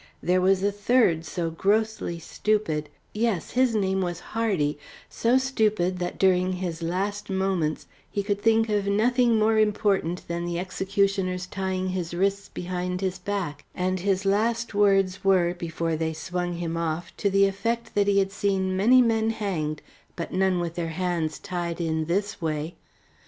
There was a third so grossly stupid yes, his name was Hardy so stupid that during his last moments he could think of nothing more important than the executioner's tying his wrists behind his back, and his last words were before they swung him off to the effect that he had seen many men hanged, but none with their hands tied in this way.